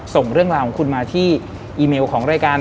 ส่งเรื่องราวของคุณมาที่อีเมลของรายการ